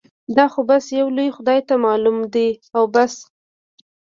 دا خو بس يو لوی خدای ته معلوم دي او بس.